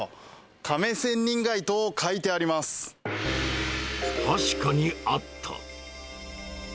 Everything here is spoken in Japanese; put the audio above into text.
亀仙人街と書確かにあった。